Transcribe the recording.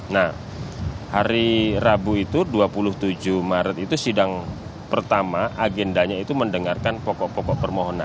nah hari rabu itu dua puluh tujuh maret itu sidang pertama agendanya itu mendengarkan pokok pokok permohonan